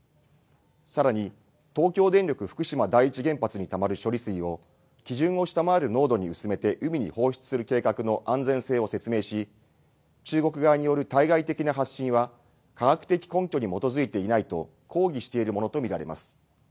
さらに東京電力福島第一原発にたまる処理水を基準を下回る濃度に薄めて海に放出する計画の安全性を説明し、中国側による対外的な発信は科学的根拠に基づいていないと抗議しているものと見られます。